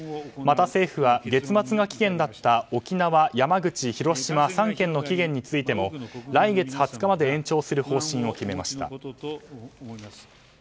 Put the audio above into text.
また政府は月末が期限だった沖縄、山口、広島３県の期限についても来月２０日まで延長する方針を決めました。